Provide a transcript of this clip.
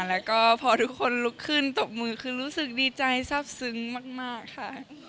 แล้วก็พอทุกคนลุกขึ้นตบมือคือรู้สึกดีใจทราบซึ้งมากค่ะ